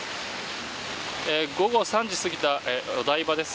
午後３時をすぎたお台場です。